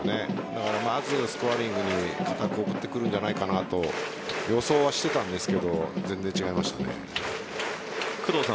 だからまず、スコアリングに堅く送ってくるんじゃないかなと予想はしていたんですが全然違いました。